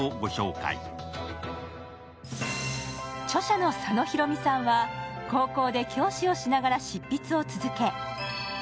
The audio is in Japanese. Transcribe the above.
著者の佐野広実さんは高校で教師をしながら執筆を続け